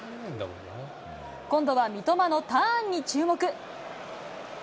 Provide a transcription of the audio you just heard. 今度は三笘のターンに注目。